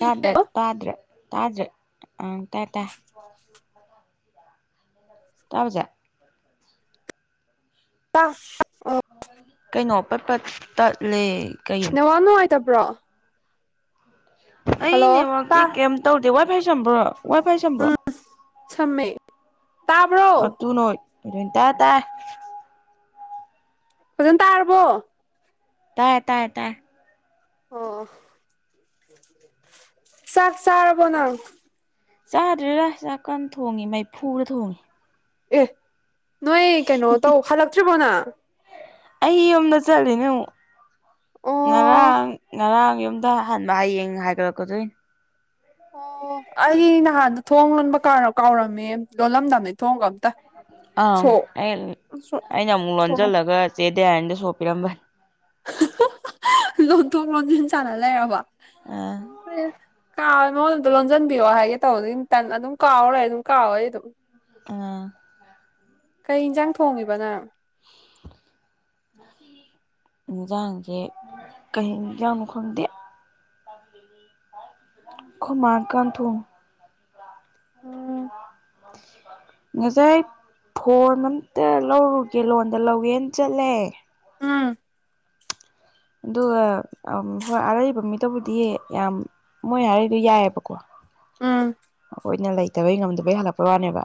ꯇꯥꯗꯦ ꯇꯥꯗ꯭ꯔꯦ ꯇꯥꯗ꯭ꯔꯦ ꯑꯥ ꯇꯥꯏ ꯇꯥꯏ ꯇꯥꯕ ꯆꯦ [unintelligible] ꯀꯩꯅꯣ ꯄꯠ ꯄꯠ ꯇꯠꯂꯦ ꯀꯩꯅꯣ ꯇꯠꯄ꯭ꯔꯣ ꯑꯩ ꯅꯦꯠꯋꯥꯛꯇꯤ ꯇꯥ ꯀꯦꯝ ꯇꯧꯗꯦ ꯋꯥꯏ ꯐꯥꯏ ꯁꯝꯕ꯭ꯔꯣ ꯋꯥꯏ ꯐꯥꯏ ꯁꯝꯕ꯭ꯔꯣ ꯎꯝ ꯁꯝꯃꯦ ꯇꯥꯕ꯭ꯔꯣ ꯑꯇꯨꯅ ꯑꯣꯏ ꯇꯥꯔꯦ ꯇꯥꯔꯦ ꯐꯖꯅ ꯇꯥꯔꯕꯣ ꯇꯥꯏꯌꯦ ꯇꯥꯏꯌꯦ ꯇꯥꯏꯌꯦ ꯑꯣ ꯑꯣ ꯆꯥꯛ ꯆꯥꯔꯕꯣ ꯅꯪ ꯆꯥꯗ꯭ꯔꯤꯔꯥ ꯆꯥꯛ ꯀꯟ ꯊꯣꯡꯉꯤ ꯃꯩꯐꯨꯗ ꯊꯣꯡꯉꯤ ꯑꯦ ꯅꯣꯏ ꯀꯩꯅꯣ ꯇꯧ ꯍꯜꯂꯛꯇ꯭ꯔꯤꯕꯣ ꯅꯪ ꯑꯩ ꯌꯨꯝꯗ ꯆꯠꯂꯤꯅꯦ ꯑꯃꯨꯛ ꯑꯣ ꯉꯔꯥꯡ ꯉꯔꯥꯡ ꯌꯨꯝ ꯗ ꯍꯟꯕ ꯍꯌꯦꯡ ꯍꯥꯏꯒꯠꯂꯛꯀꯗꯣꯏꯅꯤ ꯑꯣ ꯑꯩ ꯅꯍꯥꯟꯗꯣ ꯊꯣꯡ ꯂꯣꯟꯕ ꯀꯥꯔꯣ ꯀꯥꯎꯔꯝꯃꯦ ꯂꯣꯜꯂꯝꯗꯥꯕꯅꯤ ꯊꯣꯡꯒ ꯑꯪ ꯁꯣꯛ ꯑꯩ ꯁꯣ ꯑꯩꯅ ꯑꯃꯨꯛ ꯁꯣꯂꯣ ꯂꯣꯟꯁꯤꯜꯂꯒ ꯆꯦ ꯗꯌꯥꯔꯅꯤꯗ ꯁꯣ ꯄꯤꯔꯝꯕꯅꯤ ꯍꯍꯥ ꯍꯥꯍꯥ ꯂꯣꯡꯊꯣꯛ ꯂꯣꯝꯖꯤꯟ ꯁꯥꯟꯅ ꯂꯩꯔꯕꯣ ꯑ ꯀꯥꯎꯋꯦ ꯃꯉꯣꯟꯗ ꯑꯝꯇ ꯂꯣꯟꯁꯤꯟꯕꯤꯌꯣ ꯍꯥꯏꯒꯦ ꯇꯧꯕꯗꯩ ꯑꯗꯨꯝ ꯇꯟ ꯑꯗꯨꯝ ꯀꯥꯎꯔ ꯂꯩ ꯑꯗꯨꯝ ꯀꯥꯎꯋꯦ ꯑꯗꯨꯝ ꯑꯥ ꯀꯩ ꯏꯟꯖꯥꯡ ꯊꯣꯡꯉꯤꯕ ꯅꯪ [inaudible] ꯏꯟꯁꯥꯡꯖꯦ ꯀꯩ ꯍꯦꯟꯖꯥꯡꯅꯣ ꯈꯪꯗꯦ ꯈꯣꯏꯃꯥ ꯀꯟ ꯊꯣꯡꯉꯤ ꯎꯝ ꯉꯁꯥꯏ ꯐꯣꯟ ꯑꯝꯇ ꯂꯧꯔꯨꯒꯦ ꯂꯣꯟꯗ ꯂꯧꯒꯦꯅ ꯆꯠꯂꯦ ꯎꯝ ꯑꯗꯨꯒ ꯑꯝ ꯍꯣꯏ ꯑꯔꯩꯕ ꯃꯤꯗꯨꯕꯨꯗꯤ ꯌꯥꯝ ꯃꯣꯏ ꯍꯥꯏꯔꯛꯏꯗꯣ ꯌꯥꯏꯑꯦꯕꯀꯣ ꯎꯝ ꯑꯩꯈꯣꯏꯅ ꯂꯩꯇꯕꯩ ꯉꯝꯗꯕꯩ ꯍꯜꯂꯛꯄꯩ ꯋꯥꯅꯦꯕ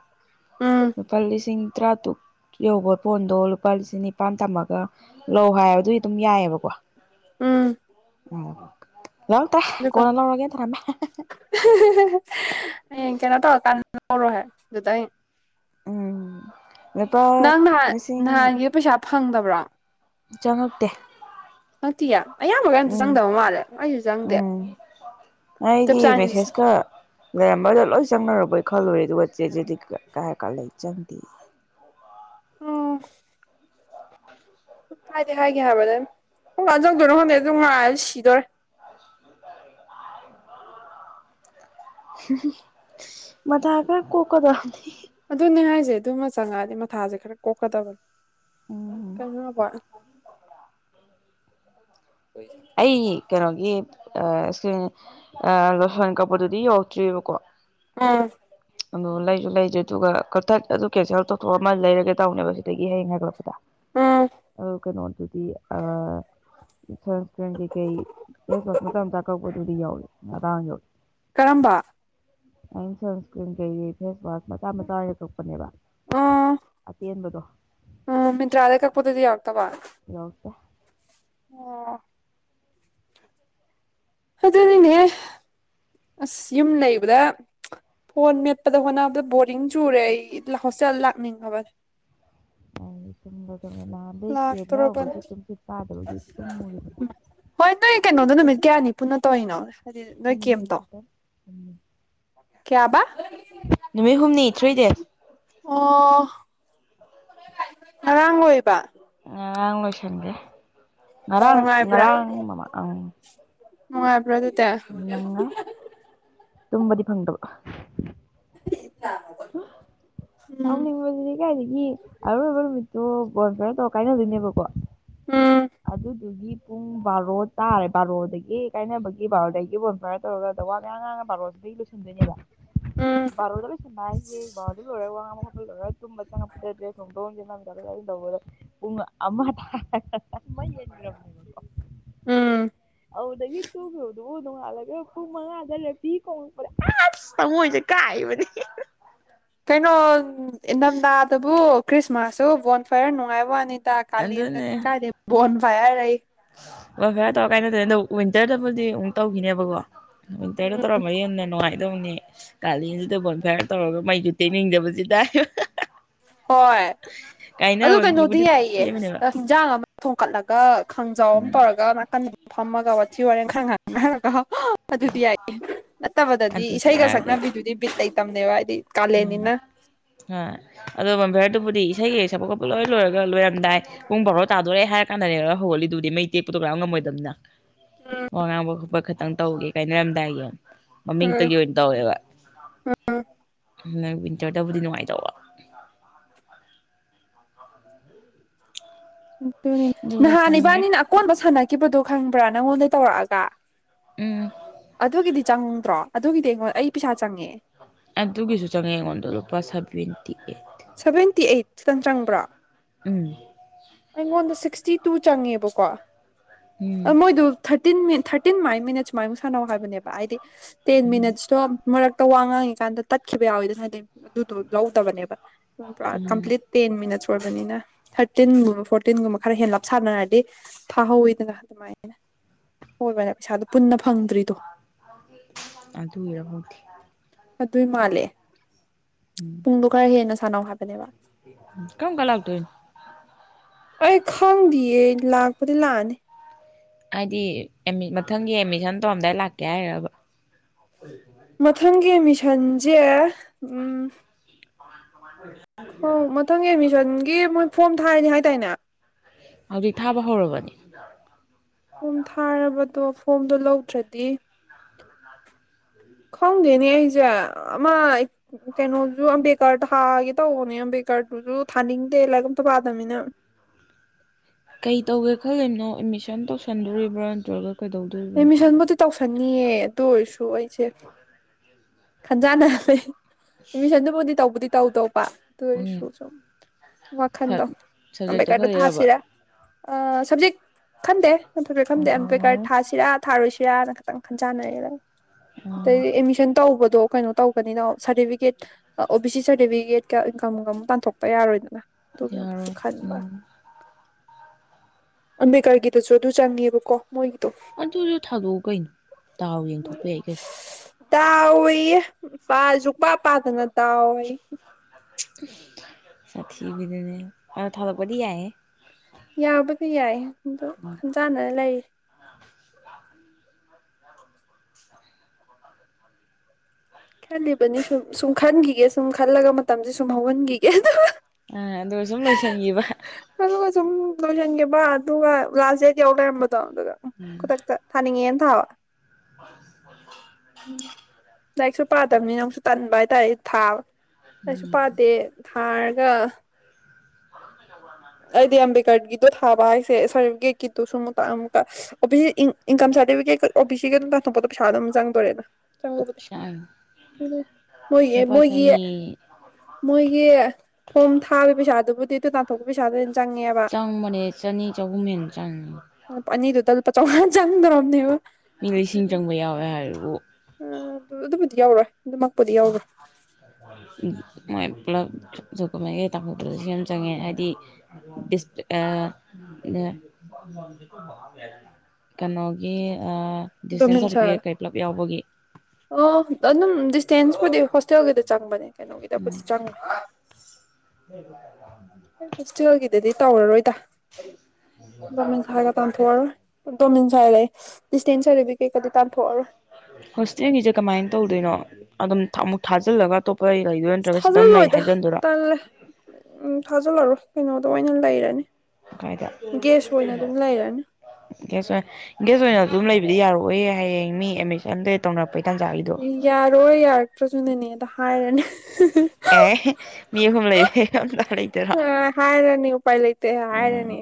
ꯎꯝ ꯂꯨꯄꯥ ꯂꯤꯁꯤꯡ ꯇꯔꯥꯇꯨꯛ ꯌꯧꯕ ꯐꯣꯟꯗꯣ ꯂꯨꯄꯥ ꯂꯤꯁꯤꯡ ꯅꯤꯄꯥꯜ ꯊꯝꯃꯒ ꯂꯧ ꯍꯥꯏꯕ ꯑꯗꯨꯗꯤ ꯑꯗꯨꯝ ꯌꯥꯏꯌꯦꯕꯀꯣ ꯎꯝ ꯂꯧꯇ꯭ꯔꯦ ꯑꯗꯨꯒ ꯀꯣꯟꯅ ꯂꯧꯔꯒꯦ ꯊꯅꯝꯃꯦ ꯍꯦ ꯍꯦ ꯍꯦ ꯍꯌꯦꯡ ꯀꯩꯅꯣ ꯇꯧꯔ ꯀꯥꯟꯗ ꯂꯧꯔꯣꯍꯦꯛ ꯑꯗꯨꯗꯥꯏ ꯎꯝ ꯂꯨꯄꯥ ꯅꯪ ꯅꯍꯥꯟ ꯂꯤꯁꯤꯡ ꯅꯍꯥꯟꯒꯤ ꯄꯩꯁꯥ ꯐꯪꯗꯕ꯭ꯔꯣ ꯆꯪꯉꯛꯇꯦ ꯈꯪꯇꯤꯌꯥ ꯑꯌꯥꯝꯕꯒꯩ ꯑꯝꯇ ꯎꯝ ꯆꯪꯗꯕ ꯃꯥꯜꯂꯦ ꯑꯩꯁꯨ ꯆꯪꯗꯦ ꯎꯝ ꯑꯩꯗꯤ ꯖꯞꯆꯥꯟꯒꯤꯁꯨ ꯃꯦꯁꯦꯁꯀ ꯂꯩꯔꯝꯕꯗꯣ ꯂꯣꯏ ꯆꯪꯅꯔꯨꯕ ꯈꯜꯂꯨꯔꯦ ꯑꯗꯨꯒ ꯆꯦ ꯆꯦꯗꯤ ꯀ ꯀꯥꯏ ꯍꯥꯏꯔ ꯀꯥꯟꯗ ꯆꯪꯗꯦ ꯎꯝ ꯍꯥꯏꯗꯤ ꯍꯥꯏꯒꯤ ꯍꯥꯏꯕꯅꯦ ꯀꯝꯀꯥꯟ ꯆꯪꯗꯣꯏꯅꯣ ꯈꯪꯗꯦ ꯑꯗꯨ ꯉꯥꯏꯕꯗ ꯁꯤꯗꯣꯔꯦ ꯍꯨꯨ ꯍꯨꯍꯨꯝ ꯃꯊꯥ ꯈꯔ ꯀꯣꯛꯗꯕꯅꯦ ꯑꯗꯨꯅꯦ ꯍꯥꯏꯁꯦ ꯑꯗꯨꯃ ꯆꯪꯉꯛꯑꯗꯤ ꯃꯊꯥꯁꯦ ꯈꯔ ꯀꯣꯛꯀꯗꯕꯅꯦ ꯎꯝ ꯀꯩꯅꯣ ꯅꯥꯕꯣꯏ [inaudible] ꯑꯩ ꯀꯩꯅꯣꯒꯤ ꯑꯥ ꯁ꯭ꯀꯔꯤꯟ ꯑꯥ ꯔꯣꯁꯟ ꯀꯛꯄꯗꯨꯗꯤ ꯌꯧꯔꯛꯇ꯭ꯔꯤꯕꯀꯣ ꯎꯝ ꯑꯗꯣ ꯂꯩꯁꯨ ꯂꯩꯗ꯭ꯔꯤ ꯑꯗꯨꯒ ꯀꯛꯊꯠ ꯑꯗꯨ ꯀꯦꯟꯁꯦꯜ ꯇꯧꯊꯣꯛꯑ ꯑꯃ ꯂꯩꯔꯒꯦ ꯇꯧꯅꯦꯕ ꯁꯤꯗꯒꯤ ꯍꯌꯦꯡ ꯍꯥꯏꯒꯠꯂꯛꯄꯗ ꯎꯝ ꯑ ꯀꯅꯣꯗꯨꯗꯤ ꯑꯥ ꯀ꯭ꯔꯤꯝ ꯀꯩ ꯀꯩ ꯐꯦꯁꯋꯥꯁ ꯃꯆꯥ ꯃꯆꯥ ꯀꯛꯄꯗꯨꯗꯤ ꯌꯧꯋꯦ ꯉꯔꯥꯡ ꯌꯧꯋꯦ ꯀꯔꯝꯕ ꯑꯥ ꯁꯟꯁꯀ꯭ꯔꯤꯟ ꯀꯩ ꯀꯩ ꯐꯦꯁ ꯋꯥꯁ ꯃꯆꯥ ꯃꯆꯥ ꯀꯛ ꯑꯥ ꯑꯥ ꯃꯤꯟꯇ꯭ꯔꯥꯗꯩ ꯀꯛꯄꯗꯨꯗꯤ ꯌꯧꯔꯛꯇꯕ ꯌꯧꯔꯛꯇꯦ ꯑꯥ ꯑꯗꯨꯅꯤꯅꯦꯍꯦ ꯑꯁ ꯌꯨꯝ ꯂꯩꯕꯗ ꯐꯣꯟ ꯃꯦꯠꯄꯗ ꯍꯣꯠꯅꯕꯗ ꯕꯣꯔꯤꯡ ꯆꯨꯔꯦ ꯑꯩ ꯏꯠꯂ ꯍꯣꯁꯇꯦꯜꯗ ꯂꯥꯛꯅꯤꯡꯉꯕꯅꯦ ꯨꯑꯩ ꯇꯨꯝꯕ ꯆꯪꯉꯦ ꯅꯣꯍꯥꯟꯗꯩꯪ ꯀꯦꯟꯅꯔ ꯂꯥꯛꯇꯣꯔꯕꯅꯦ ꯎꯕꯒꯥ꯫꯭ꯥꯁꯤꯥꯥꯇꯨꯝꯁꯤꯠ ꯐꯥꯗꯕꯒꯤ ꯇꯨꯝꯃꯨꯔꯤꯗꯅ ꯍꯣꯏ ꯅꯣꯏ ꯀꯩꯅꯣꯗꯣ ꯅꯨꯃꯤꯠ ꯀꯌꯥꯅꯤ ꯄꯨꯟꯅ ꯇꯧꯔꯤꯅꯣ ꯍꯥꯏꯗꯤ ꯅꯣꯏ ꯍꯨꯝꯅꯤ ꯀꯦꯝꯇꯣ ꯈꯛꯇꯪ ꯍꯨꯝꯅꯤ ꯀꯌꯥꯕ ꯅꯨꯃꯤꯠ ꯍꯨꯝꯅꯤ ꯊ꯭ꯔꯤ ꯗꯦꯖ ꯑꯣ ꯉꯔꯥꯡ ꯂꯣꯏꯌꯦꯕ ꯉꯔꯥꯡ ꯂꯣꯏꯁꯟꯒ꯭ꯔꯦ ꯉꯔꯥꯡ ꯉꯔꯥꯡ ꯃꯃꯥ ꯑꯪ ꯅꯨꯡꯉꯥꯢꯕ꯭ꯔꯥ ꯑꯗꯨ ꯅꯨꯡꯉꯥꯏ ꯇꯝꯕꯗꯤ ꯐꯪꯗꯕ ꯍꯥ ꯎꯝ ꯁꯥꯎꯅꯤꯡꯕꯁꯤꯗꯤ ꯀꯥꯏꯗꯒꯤ ꯑꯔꯣꯢꯕ ꯅꯨꯃ ꯇꯣ ꯕꯣꯟ ꯐꯥꯢ꯭ꯔ ꯇꯧꯔ ꯀꯥꯏꯅꯗꯣꯏꯅꯦꯕꯀꯣ ꯎꯝ ꯑꯗꯨꯗꯨꯒꯤ ꯄꯨꯡ ꯕꯥꯔꯣ ꯇꯥꯔꯦ ꯕꯥꯔꯣꯗꯒꯤ ꯀꯥꯏꯅꯕꯒꯤ ꯕꯥꯔꯣꯗꯒꯤ ꯕꯣꯟ ꯐꯥꯏꯌꯔ ꯇꯧꯔꯒꯗ ꯋꯥ ꯃꯌꯥꯝ ꯉꯥꯡꯉ ꯕꯥꯔꯣ ꯗꯩ ꯂꯣꯏꯁꯟꯗꯣꯏꯅꯦꯕ ꯎꯝ ꯕꯥꯔꯣꯗ ꯂꯣꯢꯁꯟꯕ ꯍꯥꯢꯁꯦ ꯕꯥꯔꯣꯗ ꯂꯣꯢꯔ ꯋꯥ ꯉꯥꯡꯕ ꯈꯣꯠꯄ ꯂꯣꯢꯔ ꯇꯨꯝꯕ ꯆꯪꯉꯛꯄꯗ ꯗ꯭ꯔꯦꯁ ꯍꯣꯡꯗꯣꯛ ꯍꯣꯡꯖꯤꯟ ꯅꯪꯗꯕꯩ ꯇꯧꯕꯗ ꯄꯨꯡ ꯑꯃ ꯇꯥꯔꯦ [unintelligible] ꯑꯗꯨꯗꯒꯤ ꯇꯨꯝꯒꯤꯕꯗꯨꯕꯨ ꯅꯣꯡꯉꯥꯜꯂꯒ ꯄꯨꯡ ꯃꯉꯥꯗ ꯔꯦꯐ꯭ꯔꯤ ꯈꯣꯡꯢ ꯑꯁ ꯊꯃꯣꯢꯁꯦ ꯀꯥꯏꯕꯅꯤ ꯏꯟꯊꯝꯊꯥꯗꯕꯨ ꯈ꯭ꯔꯤꯁꯃꯥꯁꯁꯨ ꯕꯣꯟ ꯐꯥꯌꯔ ꯅꯨꯡꯉꯥꯏꯕ ꯋꯥꯅꯤ ꯗ ꯑꯗꯨꯅꯦ ꯀꯥꯂꯦꯟꯗꯗꯤ ꯀꯥꯏꯗꯩ ꯕꯣꯟ ꯐꯥꯌꯔ ꯑꯌꯦ ꯕꯣꯟ ꯐꯌꯥꯔ ꯇꯧꯔ ꯀꯥꯏꯅ ꯑꯗꯣ ꯋꯤꯟꯇꯔꯗꯕꯨꯗꯤ ꯑꯃꯨꯛ ꯇꯧꯈꯤꯅꯤꯕꯀꯣ ꯋꯤꯟꯇꯔꯗ ꯇꯧꯔꯝꯃꯗꯤ ꯌꯥꯝꯅ ꯅꯨꯡꯉꯥꯏꯗꯧꯅꯤ ꯀꯥꯂꯦꯟꯗꯨꯗ ꯕꯣꯟ ꯐꯥꯏꯌꯔ ꯇꯧꯔ ꯃꯩꯁꯨ ꯇꯤꯛꯅꯤꯡꯗꯕꯁꯤꯗ ꯍꯥꯢꯌꯣ ꯍꯍ ꯍꯣꯏ ꯑꯗꯨ ꯀꯩꯅꯣꯗꯤ ꯌꯥꯏꯌꯦ ꯁꯦꯝꯃꯤꯅꯦꯕ ꯑ ꯍꯤꯟꯖꯥꯡ ꯑꯃ ꯊꯣꯡꯀꯠꯂꯒ ꯈꯥꯡꯖꯥꯎ ꯑꯃ ꯎꯝ ꯇꯧꯔꯒ ꯅꯥꯀꯟꯗ ꯐꯝꯃꯒ ꯋꯥꯊꯤ ꯋꯥꯔꯦꯝ ꯈꯔ ꯉꯥꯡꯅꯔꯒ ꯑꯗꯨꯗꯤ ꯌꯥꯏꯌꯦ ꯅꯠꯇꯕꯗꯗꯤ ꯑꯗꯨꯗꯤ ꯏꯁꯩꯒ ꯌꯥꯔꯣꯏꯗꯕ ꯁꯛꯅꯕꯤꯗꯨꯗꯤ ꯕꯤꯠ ꯂꯩꯇꯕꯅꯦꯕ ꯍꯥꯏꯗꯤ ꯎꯝ ꯀꯥꯂꯦꯟꯅꯤꯅ ꯍ ꯑꯗꯣ ꯕꯣꯟ ꯐꯥꯌꯔꯗꯨꯕꯨꯗꯤ ꯏꯁꯩꯒꯤ ꯁꯛꯄ ꯈꯣꯠꯄ ꯂꯣꯏ ꯂꯣꯏꯔꯒ ꯂꯔꯝꯗꯥꯏ ꯄꯨꯡ ꯕꯥꯔꯣ ꯇꯥꯗꯣꯔꯦ ꯍꯥꯏꯔ ꯀꯥꯟꯗꯅꯦꯕ ꯍꯧꯒꯠꯂꯤꯗꯨ ꯕꯨꯗꯤ ꯃꯩ ꯇꯦꯛꯄꯗꯣ ꯀꯅꯥꯝ ꯉꯝꯃꯣꯏꯗꯝꯅꯤꯅ ꯋꯥ ꯉꯥꯡꯕ ꯈꯣꯠꯄ ꯈꯤꯇꯪ ꯇꯧꯒꯦ ꯀꯥꯏꯅꯔꯝꯗꯥꯏꯒꯤ ꯎꯝ ꯃꯃꯤꯡꯇꯒꯤ ꯑꯣꯏꯅ ꯇꯧꯋꯦꯕ ꯋꯤꯟꯇꯔꯗꯕꯨꯗꯤ ꯅꯨꯡꯉꯥꯏꯗꯧꯕ ꯑꯗꯨꯅꯤ ꯑꯗꯨ ꯅꯍꯥꯟ ꯂꯩꯁꯟꯒ꯭ꯔꯦ ꯏꯕꯥꯟꯅꯤꯅ ꯑꯀꯣꯟꯕ ꯁꯥꯟꯅꯈꯤꯕꯗꯣ ꯈꯪꯕ꯭ꯔꯥ ꯅꯪꯉꯣꯟꯗ ꯇꯧꯔꯛꯑꯒ ꯎꯝ ꯑꯗꯨꯒꯤꯗꯤ ꯆꯪꯗ꯭ꯔꯣ ꯑꯗꯨꯒꯤꯗꯤ ꯑꯩꯉꯣꯟ ꯑꯩ ꯄꯩꯁꯥ ꯆꯪꯉꯦ ꯑꯗꯨꯒꯤꯁꯨ ꯆꯪꯉꯦ ꯑꯩꯉꯣꯟꯗ ꯂꯨꯄꯥ ꯁꯚꯦꯟꯇꯤꯑꯩꯠ ꯁꯚꯦꯟꯇꯤ ꯑꯩꯠ ꯈꯤꯇꯪ ꯆꯪꯕ꯭ꯔꯥ ꯎꯝ ꯑꯩꯉꯣꯟꯗ ꯁꯤꯛꯁ ꯁꯤ ꯇꯨ ꯆꯪꯉꯦꯕꯀꯣ ꯎꯝ ꯑꯗꯨ ꯃꯣꯢꯗꯨ ꯊꯔꯇꯤꯟ ꯊꯔ ꯇꯤꯟ ꯃꯥꯏ ꯃꯤꯅꯠꯁ ꯃꯥꯏꯃꯨꯛ ꯁꯥꯟꯅꯧ ꯍꯥꯏꯕꯅꯦꯕ ꯍꯥꯏꯗꯤ ꯇꯦꯟ ꯎꯝ ꯃꯤꯅꯠꯁꯇꯣ ꯃꯔꯛ ꯇ ꯋꯥ ꯉꯥꯡꯉꯤꯀꯥꯟꯗ ꯇꯠꯈꯤꯕ ꯌꯥꯎꯋꯤꯗꯅ ꯍꯥꯏꯗꯤ ꯑꯗꯨꯗꯣ ꯂꯧꯗꯕꯅꯦꯕ ꯄꯨꯔꯥ ꯎꯝ ꯀꯝꯄ꯭ꯂꯤꯠ ꯇꯦꯟ ꯃꯤꯅꯠꯁ ꯑꯣꯏꯕꯅꯤꯅ ꯊꯥꯔꯇꯤꯟꯒꯨꯝꯕ ꯐꯣꯔꯇꯤꯟꯒꯨꯝꯕ ꯈꯔ ꯍꯦꯂꯥꯞꯁꯥꯟꯅꯔꯗꯤ ꯊꯥꯍꯧꯋꯤꯗꯅ ꯑꯗꯨꯃꯥꯏꯅ ꯑꯣꯏꯕꯅꯦ ꯄꯩꯁꯥꯗꯣ ꯄꯨꯟꯅ ꯐꯪꯗ꯭ꯔꯤꯗꯣ ꯑꯗꯨꯒꯤꯔ ꯈꯪꯗꯦ ꯑꯗꯨꯏ ꯃꯥꯜꯂꯦ ꯄꯨꯡꯗꯣ ꯈꯔ ꯍꯦꯟꯅ ꯁꯥꯟꯅꯧ ꯍꯥꯏꯕꯅꯦꯕ ꯀꯕꯝ ꯀꯥꯟ ꯂꯥꯛꯇꯣꯏꯅꯣ ꯑꯩ ꯈꯪꯗꯦꯌꯦ ꯂꯥꯛꯄꯨꯗꯤ ꯂꯥꯛꯑꯅꯤ ꯍꯥꯏꯗꯤ ꯑꯦꯃꯤꯠ ꯃꯊꯪꯒꯤ ꯑꯦꯠꯃꯤꯁꯟ ꯇꯧꯔꯝꯗꯥꯏꯗ ꯂꯥꯛꯀꯦ ꯍꯥꯏꯔꯕ ꯃꯊꯪꯒꯤ ꯑꯦꯠꯃꯤꯁꯟꯖꯦ ꯎꯝ ꯍꯣ ꯃꯊꯪꯒꯤ ꯑꯦꯠꯃꯤꯁꯟꯒꯤ ꯃꯣꯏ ꯐꯣꯔꯝ ꯊꯥꯔꯦꯗꯤ ꯍꯥꯏꯗꯥꯏꯅꯦ ꯍꯧꯖꯤꯛ ꯊꯥꯕ ꯍꯧꯔꯕꯅꯤ ꯐꯣꯝ ꯊꯥꯔꯕꯗꯣ ꯐꯣꯝꯗꯣ ꯂꯧꯗ꯭ꯔꯗꯤ ꯈꯪꯗꯦꯅꯦ ꯑꯩꯖꯦ ꯑꯃ ꯀꯩꯅꯣꯖꯨ ꯑꯝꯕꯦꯠꯀꯔ ꯊꯥꯒꯦ ꯇꯧꯕꯅꯦ ꯑꯝꯕꯦꯀꯥ ꯀꯔꯇꯨꯁꯨ ꯊꯥꯅꯤꯡꯗꯦ ꯂꯥꯏꯔꯤꯛ ꯑꯝꯇ ꯄꯥꯗꯕꯅꯤꯅ ꯀꯩ ꯇꯧꯒꯦ ꯈꯜꯂꯤꯕꯅꯣ ꯑꯦꯠꯃꯤꯁꯟ ꯇꯧꯁꯟꯗꯣꯔꯤꯕ꯭ꯔꯥ ꯅꯠꯇ꯭ꯔꯒ ꯀꯩꯗꯧꯗꯣꯔꯤꯕꯅꯣ ꯈꯟꯅꯤꯌꯦ ꯑꯗꯨ ꯑꯣꯏꯁꯨ ꯑꯩꯁꯦ ꯈꯟꯖꯥꯟꯅꯍꯜꯂꯦ ꯑꯦꯠꯃꯤꯁꯟꯗꯨꯕꯨꯗꯤ ꯇꯧꯕꯨꯗꯤ ꯇꯧꯗꯧꯕ ꯑꯗꯨ ꯑꯣꯏꯔꯁꯨ ꯎꯝ ꯁꯨꯝ ꯋꯥꯈꯜꯗꯣ ꯁꯕꯖꯦꯛꯇꯣ ꯑꯝꯕꯦꯠꯀꯔꯗ ꯈꯜꯂꯤꯔꯕ ꯊꯥꯁꯤꯔꯥ ꯑꯥ ꯁꯞꯖꯦꯛ ꯈꯟꯗꯦ [unintelligible] ꯑꯝꯕꯦꯠꯀꯔꯗ ꯑꯣ ꯊꯥꯁꯤꯔ ꯊꯔꯣꯏꯁꯤ ꯌꯥꯅ ꯈꯟꯖꯥꯅꯔꯤꯕ ꯎꯝ ꯑꯗꯨꯒꯤ ꯑꯦꯠꯃꯤꯁꯟ ꯇꯧꯕꯗꯣ ꯀꯩꯅꯣ ꯇꯧꯕꯅꯤꯅ ꯁꯥꯔꯇꯤꯐꯤꯀꯦꯠ ꯑꯣ ꯕꯤ ꯁꯤ ꯁꯥꯔꯇꯤꯐꯤꯀꯦꯠꯀ ꯏꯟꯀꯝꯒ ꯑꯃꯨꯛ ꯇꯥꯟꯊꯣꯛꯄ ꯌꯥꯔꯣꯏꯗꯅ ꯇꯨꯒꯤ ꯑꯃꯨꯛꯁꯨ ꯌꯥꯔꯣꯏ ꯈꯟꯕ ꯎꯝ ꯑꯝꯕꯦꯗꯀꯔꯒꯤꯗꯨꯁꯨ ꯑꯗꯨ ꯆꯪꯉꯦꯕꯀꯣ ꯃꯣꯏꯒꯤꯗꯣ ꯎꯝ ꯑꯗꯨꯁꯨ ꯊꯥꯗꯣꯛꯎ ꯀꯩꯅꯣ ꯗꯥꯎ ꯌꯦꯡꯊꯣꯛꯄ ꯌꯥꯏ ꯀꯩꯅꯣ ꯗꯥ ꯗꯥꯎꯑꯦꯌꯦ ꯄꯥꯁꯨ ꯁꯨꯛꯄꯥ ꯄꯥꯗꯅ ꯗꯥꯎꯑꯦꯌꯦ ꯎꯝ ꯁꯥꯠꯊꯤꯕꯤꯗꯨꯅꯤ ꯑꯗꯣ ꯊꯗꯣꯛꯄꯗꯨꯗꯤ ꯌꯥꯏꯍꯦ ꯊꯤꯌꯥꯏꯌꯦ ꯑꯗꯨ ꯈꯟꯖꯥꯟꯅꯔꯒ ꯂꯩꯔꯤ ꯈꯜꯂꯤꯕꯅꯤ ꯁꯨꯝ ꯁꯨꯝ ꯈꯟꯒꯤꯒꯦ ꯁꯨꯝ ꯈꯜꯂꯒ ꯃꯇꯝꯁꯦ ꯁꯨꯝ ꯍꯧꯍꯟꯒꯤꯒꯦ ꯑꯥ ꯑꯗꯨꯒ ꯁꯨꯝ ꯂꯣꯏꯁꯤꯟꯒꯤꯕ ꯂꯣꯏꯁꯤꯟꯒꯤꯕ ꯑꯗꯨꯒ ꯂꯥꯁ ꯗꯦꯗ ꯌꯧ ꯂꯩꯔꯝꯕꯗꯣ ꯑꯗꯨꯒ ꯈꯨꯗꯛꯇ ꯊꯥꯅꯤꯡꯉꯦꯅ ꯊꯥꯕ [inaudible] ꯂꯥꯏꯔꯤꯛꯁꯨ ꯄꯥꯗꯕꯅꯤ ꯑꯃꯨꯛꯁꯨ ꯇꯟꯕ ꯍꯥꯏꯇꯥꯔꯦ ꯊꯥꯕ ꯂꯥꯏꯔꯤꯛꯁꯨ ꯎꯝ ꯄꯥꯗꯦ ꯊꯥꯔꯒ [inaudible] ꯑꯩꯗꯤ ꯑꯝꯕꯦꯗꯀꯔꯒꯤꯗꯣ ꯊꯥꯕ ꯍꯥꯏꯁꯦ ꯁꯥꯔꯇꯤꯐꯤꯀꯦꯠꯀꯤꯗꯨ ꯁꯨꯝ ꯑꯃꯨꯛ ꯇꯥꯟ ꯑꯃꯨꯛ ꯇꯥꯟ ꯑꯣꯕꯤꯁꯤ ꯏꯟꯀꯝ ꯁꯥꯔꯇꯤꯐꯤꯀꯦꯠꯀ ꯑꯣꯕꯤꯁꯤꯒ ꯗꯨꯝ ꯇꯥꯟꯊꯣꯛꯄꯗ ꯄꯩꯁꯥ ꯑꯗꯨꯝ ꯆꯪꯗꯣꯔꯦꯗ [unintelligible] ꯃꯣꯏ ꯑꯦ ꯂꯨꯄꯥ ꯃꯣꯏꯒꯤ ꯆꯅꯤ ꯃꯣꯏꯒꯤ ꯐꯣꯝ ꯊꯥꯕꯩ ꯄꯩꯁꯥꯗꯨꯕꯨꯗꯤ ꯑꯗꯨꯨ ꯇꯥꯟꯊꯣꯛꯄꯒꯤ ꯄꯩꯁꯥꯗꯨꯅ ꯆꯪꯕꯅꯦ ꯆꯅꯤ ꯆꯍꯨꯝ ꯍꯦꯟꯅ ꯆꯪꯉꯦ ꯗ ꯂꯨꯄꯥ ꯆꯧꯉꯥ ꯆꯪꯗꯣꯔꯕꯅꯦꯕ ꯃꯤ ꯂꯤꯁꯤꯡ ꯆꯪꯕ ꯌꯥꯎꯋꯦ ꯍꯥꯏꯔꯤꯕꯨ ꯑꯥ ꯑꯗꯨꯕꯨꯗꯤ ꯌꯧꯔꯣꯏ ꯑꯗꯨꯃꯛꯄꯨꯗꯤ ꯌꯧꯔꯣꯏ [unintelligible] ꯄꯨꯂꯞ ꯗꯣꯀꯨꯃꯦꯟ ꯀꯩ ꯇꯥꯊꯣꯛꯄꯗꯁꯨ ꯂꯤꯁꯤꯡ ꯑꯃ ꯆꯪꯉꯦ ꯍꯥꯏꯗꯤ ꯗꯤꯁꯄ꯭ꯂꯦ ꯑꯥ ꯅꯦ [inaudible] ꯀꯩꯅꯣꯒꯤ ꯑꯥ ꯗꯤꯁꯇꯦꯟꯁ ꯗꯣꯃꯤꯟꯁꯜ ꯁꯥꯔꯇꯤꯐꯤꯀꯦꯠ ꯀꯩ ꯄꯨꯂꯞ ꯌꯥꯎꯕꯒꯤ ꯑꯣ ꯑꯗꯨꯝ ꯗꯤꯁꯇꯦꯟꯁꯄꯨꯗꯤ ꯍꯣꯁꯇꯦꯜꯒꯤꯗ ꯆꯪꯕꯅꯦ ꯀꯩꯅꯣꯒꯤꯗꯣ ꯈꯣꯏꯗꯤ ꯎꯝ ꯆꯪꯒ꯭ꯔꯦ [inaudible] ꯑꯗꯗꯤ ꯇꯧꯔꯔꯣꯏꯗ [unintelligible] ꯇꯥꯟꯊꯣꯛꯑꯔꯣꯏ ꯗꯣꯃꯤꯟꯁꯥꯏꯟꯑꯌꯦ ꯗꯤꯁꯇꯦꯟꯁ ꯁꯥꯔꯇꯤꯐꯤꯀꯦꯠꯀꯗꯤ ꯇꯥꯥꯟꯊꯣꯛꯑꯔꯣꯏ ꯍꯣꯁꯇꯦꯜꯒꯤꯁꯦ ꯀꯃꯥꯏ ꯇꯧꯗꯣꯏꯅꯣ ꯑꯗꯨꯝ ꯑꯃꯨꯛ ꯊꯥꯖꯤꯜꯂꯒ ꯇꯣ ꯑꯁ ꯊꯥꯖꯤꯜꯂꯣꯏꯗ ꯇꯜꯂꯦ ꯎꯝ ꯊꯥꯖꯤꯜꯂꯔꯣꯏ ꯀꯩꯅꯣꯗꯣ ꯑꯣꯏꯅ ꯂꯩꯔꯅꯤ ꯀꯥꯥꯏꯗ ꯒꯦꯁ ꯑꯣꯏꯅ ꯑꯗꯨꯝ ꯂꯩꯔꯅꯤ ꯒꯦꯁ ꯑꯣꯢꯅ ꯒꯦꯁ ꯑꯣꯏꯅ ꯑꯗꯨꯝ ꯂꯩ [inaudible] ꯂꯤ ꯌꯥꯔꯛꯑꯣꯏꯌꯦ ꯍꯌꯦꯡ ꯃꯤ ꯑꯦꯠꯃꯤꯁꯟ ꯀꯩ ꯇꯧꯅꯔꯛ ꯑꯦ ꯌꯥꯔꯣꯏ ꯌꯥꯔꯛꯇ꯭ꯔꯁꯨ ꯅꯅꯦꯗ ꯍꯥꯏꯔꯅꯤ ꯑꯦꯍꯦ ꯃꯤ ꯑꯍꯨꯝ ꯂꯩꯍꯦ [unintelligible] ꯑꯥ ꯍꯥꯏꯔꯅꯤ ꯎꯄꯥꯏ ꯂꯩꯩꯇꯦ ꯎꯝ ꯍꯥꯏꯔꯅꯤ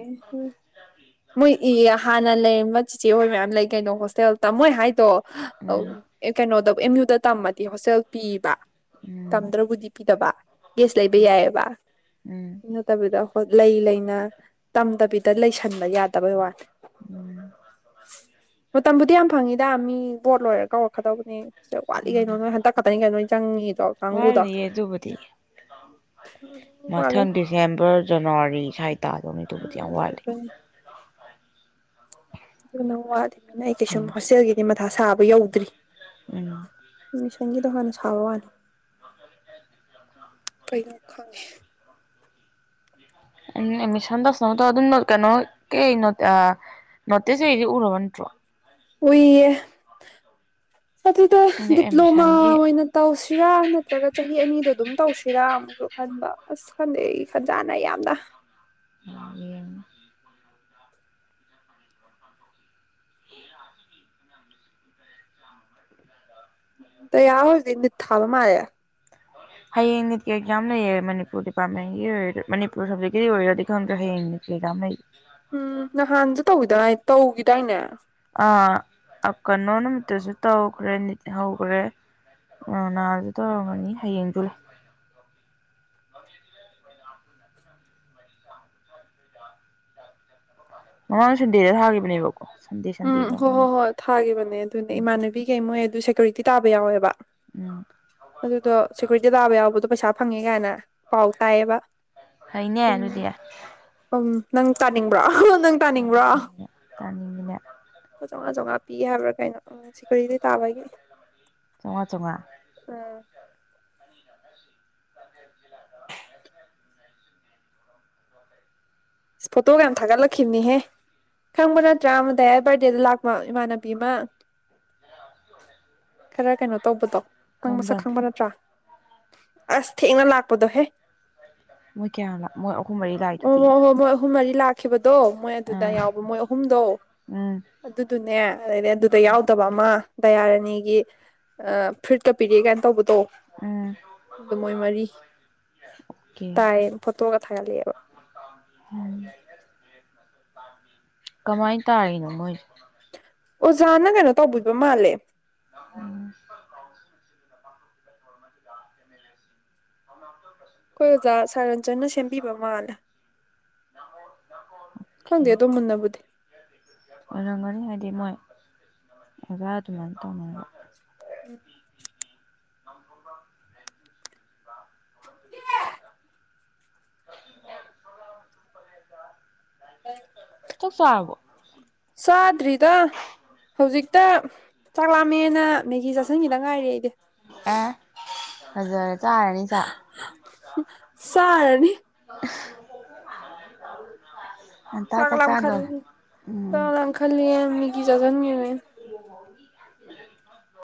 ꯃꯣꯏ ꯏ ꯍꯥꯟꯅ ꯂꯩꯔꯝꯕ ꯆꯤꯆꯦꯍꯣꯏ ꯃꯌꯥꯝ ꯂꯩ ꯀꯩꯅꯣ ꯍꯣꯁꯇꯦꯜ ꯇꯝꯃꯣꯏ ꯍꯥꯏꯗꯣ ꯍ ꯑꯧ ꯎꯝ ꯑꯦ ꯀꯩꯅꯣꯗ ꯑꯦꯝ ꯌꯨꯗ ꯇꯝꯃꯗꯤ ꯍꯣꯁꯇꯦꯜ ꯄꯤꯌꯦꯕ ꯎꯝ ꯇꯝꯗ꯭ꯔꯕꯨꯗꯤ ꯄꯤꯗꯕ ꯒꯦꯁ ꯂꯩꯕ ꯌꯥꯏꯌꯦꯕ ꯎꯝ ꯅꯠꯇꯕꯤꯗꯣ ꯄꯣꯠ ꯂꯩ ꯂꯩꯅ ꯇꯝꯗꯕꯤꯗ ꯂꯩꯁꯟꯕ ꯌꯥꯗꯕꯩ ꯋꯥꯅꯦ ꯎꯝ ꯃꯇꯝꯕꯨꯗꯤ ꯌꯥꯝ ꯐꯪꯏꯤꯗ ꯃꯤ ꯕꯣꯠ ꯂꯣꯏꯔ ꯀꯧꯔꯛꯀꯗꯧꯕꯅꯦ ꯗ ꯋꯥꯠꯂꯤ ꯎꯝ ꯀꯩꯅꯣ ꯎꯝ ꯅꯣꯏ ꯍꯟꯇꯛ ꯈꯛꯇꯅꯤ ꯀꯩꯅꯣ ꯅꯣꯏ ꯆꯪꯉꯤꯗꯣ ꯀꯥꯡꯉꯨꯗꯣ ꯋꯥꯠꯂꯤꯌꯦ ꯑꯗꯨꯕꯨꯗꯤ ꯃꯊꯪ ꯗꯤꯁꯦꯝꯕꯔ ꯖꯅꯋꯥꯔꯤ ꯁ꯭ꯋꯥꯏ ꯇꯥꯗꯧꯅꯤꯗꯨꯕꯨꯗꯤ ꯌꯥꯝ ꯋꯥꯠꯂꯤ ꯑꯗꯨꯅꯤ ꯌꯥꯝꯅ ꯋꯥꯠꯃꯤꯅ ꯑꯩ ꯀꯩꯁꯨꯝ ꯎꯝ ꯍꯣꯁꯇꯦꯜꯒꯤꯗꯤ ꯃꯊꯥ ꯁꯥꯕ ꯌꯧꯗ꯭ꯔꯤ ꯎꯝ ꯑꯁꯣꯝꯒꯤꯗꯣ ꯍꯥꯟꯅ ꯁꯥꯕ ꯋꯥꯅꯦ ꯀꯩꯅꯣ ꯈꯪ ꯑꯩꯅ ꯑꯦꯃꯤꯁꯟ ꯇꯧꯁꯟꯅꯕ ꯇꯧ ꯑꯗꯨꯨꯝꯅ ꯀꯩꯅꯣ ꯀꯩ ꯅꯣꯗ ꯅꯠꯇꯤꯁ ꯏꯔꯤꯖꯦ ꯎꯔꯕ ꯅꯠꯇ꯭ꯔꯣ ꯎꯢꯌꯦ ꯑꯗꯨꯗ ꯑꯗꯩ ꯗꯤꯄ꯭ꯂꯣꯃꯥ ꯑꯦꯗꯃꯤꯁꯟꯒꯤ ꯑꯣꯏꯅ ꯇꯧꯁꯤꯔ ꯅꯠꯇ꯭ꯔꯒ ꯆꯍꯤ ꯑꯅꯤꯗꯣ ꯑꯗꯨꯝ ꯇꯧꯁꯤ ꯁꯤꯔ ꯑꯃꯨꯛꯁꯨ ꯈꯟꯕ ꯑꯁ ꯈꯪꯗꯦ ꯑꯩ ꯈꯟꯖꯥꯅꯩ ꯌꯥꯝꯅ [unintelligible] [unintelligible] ꯗꯌꯥ ꯍꯣꯏꯗꯤ ꯅꯤꯠ ꯊꯥꯕ ꯃꯥꯜꯂꯦ ꯍꯌꯦꯡ ꯅꯤꯠꯀꯤ ꯑꯦꯛꯖꯥꯝ ꯂꯩꯌꯦ ꯃꯅꯤꯄꯨꯔ ꯗꯤꯄꯥꯔꯠꯃꯦꯟꯒꯤ ꯑꯣꯏꯔ ꯃꯅꯤꯄꯨꯔ ꯁꯕꯖꯦꯛꯀꯤ ꯑꯣꯏꯔꯗꯤ ꯈꯪꯗ꯭ꯔꯦ ꯍꯌꯦꯡꯅꯤ ꯁꯤꯗ ꯃꯩ ꯎꯝ ꯅꯍꯥꯟꯁꯨ ꯇꯧꯈꯤꯗꯥꯏ ꯇꯧꯈꯤꯗꯏꯅꯦ ꯑꯥ ꯑꯥ ꯀꯩꯅꯣ ꯅꯨꯃꯤꯠꯇꯁꯨ ꯇꯧꯈ꯭ꯔꯦ ꯅꯤꯠ ꯍꯧꯒ꯭ꯔꯦ ꯑꯥ ꯅꯍꯥꯟꯁꯨ ꯇꯧꯔꯝꯃꯅꯤ ꯍꯌꯦꯡꯁꯨ ꯂꯩ [inaudible] ꯉꯔꯥꯡ ꯁꯨꯟꯗꯦꯗ ꯊꯥꯒꯤꯕꯅꯦꯕ ꯎꯝ ꯍꯣꯏ ꯍꯣꯏ ꯍꯣꯏ ꯊꯥꯈꯤꯕꯅꯦ ꯑꯗꯨꯅꯦ ꯏꯃꯥꯟꯅꯕꯤꯒꯩ ꯃꯣꯏ ꯑꯗꯨ ꯁꯦꯀ꯭ꯌꯨꯔꯤꯇꯤꯥ ꯇꯥꯕ ꯌꯥꯎꯋꯦꯕ ꯎꯝ ꯑꯗꯨꯗꯣ ꯁꯦꯀ꯭ꯌꯨꯔꯤꯇꯤ ꯇꯥꯕ ꯌꯥꯎꯕꯗꯣ ꯄꯩꯁꯥ ꯐꯪꯉꯦ ꯀꯥꯏꯅ ꯄꯥꯎ ꯇꯥꯏꯌꯦꯕ ꯐꯩꯅꯦ ꯑꯗꯨꯏꯅꯤ ꯑꯗꯨꯗꯤ ꯎꯝ ꯅꯪ ꯇꯥꯅꯤꯡꯕ꯭ꯔꯥ ꯑꯥ ꯍꯥ ꯅꯪ ꯇꯥꯅꯤꯡꯕ꯭ꯔꯣ ꯆꯥꯅꯤꯡꯉꯤꯅꯦ ꯆꯥꯝꯃꯉꯥ ꯂꯨꯄ ꯆꯧꯉ ꯆꯧꯉ ꯄꯤ ꯍꯥꯏꯕ꯭ꯔ ꯀꯩꯅꯣ ꯁꯤꯀ꯭ꯌꯨꯔꯤꯇꯤ ꯇꯥꯕꯒꯤ ꯆꯧꯉꯥ ꯆꯧꯉꯥ ꯑꯥ ꯐꯣꯇꯣꯒ ꯌꯥꯝ ꯊꯒꯠꯂꯛꯈꯤꯕꯅꯤꯍꯦ ꯈꯪꯕ ꯅꯠꯇ꯭ꯔꯥ ꯑꯃ ꯗꯥꯢꯌꯥꯏ ꯕꯥꯠꯗꯦꯗ ꯂꯥꯛꯄ ꯏꯃꯥꯟꯅꯕꯤ ꯑꯃ ꯈꯔ ꯀꯩꯅꯣ ꯇꯧꯕꯗꯣ ꯅꯪ ꯃꯁꯛ ꯀꯔꯝꯕꯅꯣ ꯈꯪꯕ ꯅꯠꯇ꯭ꯔ ꯑꯁ ꯊꯦꯡꯅ ꯂꯥꯛꯄꯗꯣꯍꯦ ꯃꯣꯏ ꯀꯌꯥꯝ ꯂꯛ ꯃꯣꯏ ꯑꯍꯨꯝ ꯃꯔꯤ ꯑꯣ ꯂꯥꯛꯏꯗꯨꯗꯤ ꯍꯣꯏ ꯍꯣꯏ ꯃꯣꯏ ꯑꯍꯨꯝ ꯃꯔꯤ ꯂꯥꯛꯈꯤꯕꯗꯣ ꯃꯣꯏ ꯑꯗꯨꯗ ꯎꯝ ꯌꯥꯎꯕ ꯃꯣꯏ ꯑꯍꯨꯝꯗꯣ ꯎꯝ ꯑꯗꯨꯗꯨꯅꯦꯑꯗꯩ ꯑꯗꯨꯗ ꯌꯥꯎꯗꯕ ꯑꯃ ꯗꯌꯥꯔꯥꯅꯤꯒꯤ ꯑꯥ ꯐꯨꯔꯤꯠꯀ ꯄꯤꯔꯛꯑꯦ ꯀꯥꯏ ꯇꯧꯕ ꯇꯣ ꯎꯝ ꯑꯗꯨ ꯃꯣꯏ ꯃꯔꯤ ꯑꯣꯀꯦ ꯇꯥꯏꯌꯦ ꯐꯣꯇꯣꯒ ꯊꯥꯒꯠꯔꯛꯑꯦꯕ ꯀꯃꯥꯏ ꯇꯔꯤꯅꯣ ꯃꯣꯏ ꯑꯣꯖꯥꯅ ꯀꯩꯅꯣ ꯇꯧꯕꯤꯕ ꯃꯥꯜꯂꯦ ꯎꯝ [inaudible] ꯑꯩꯈꯣꯏ ꯑꯣꯖ ꯁꯥꯔ ꯐꯖꯅ ꯁꯦꯝꯕꯤꯕ ꯃꯥꯜꯂꯦ ꯑꯣꯀꯦ ꯈꯪꯗꯦ ꯑꯗꯣ ꯃꯨꯟꯅꯕꯨꯗꯤ ꯑꯣꯏꯔꯝꯒꯅꯤ ꯍꯥꯏꯗꯤ ꯃꯣꯏ ꯑꯣꯖꯥ ꯑꯗꯨꯃꯥꯏ ꯇꯧꯅꯕ ꯎꯝ [unintelligible] [inaudible] [unintelligible] ꯆꯛ ꯆꯔꯕꯣ ꯆꯥꯗ꯭ꯔꯤꯗ ꯍꯧꯖꯤꯛꯇ ꯆꯥꯛꯂꯥꯃꯦꯅ ꯃꯦꯒꯤ ꯆꯥꯁꯤꯟꯒꯤꯗ ꯉꯥꯏꯔꯤ ꯑꯩꯗꯤ ꯑꯦ ꯐꯖꯔꯦ ꯆꯥꯔꯅꯤ ꯆꯥꯛ ꯆꯥꯔꯅꯤ [inaudible] ꯆꯥꯛ ꯂꯝꯈꯠ ꯆꯥꯛ ꯎꯝ ꯂꯝꯈꯠꯂꯦꯑꯦ ꯃꯤꯒꯤ ꯆꯁꯤꯟꯒꯤꯕꯩ [inaudible]